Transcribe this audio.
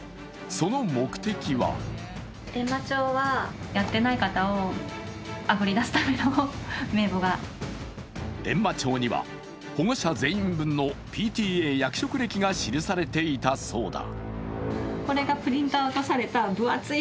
その目的は閻魔帳には、保護者全員分のＰＴＡ役職歴が記されていたそうだ。